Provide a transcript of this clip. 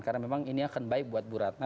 karena memang ini akan baik buat bu ratna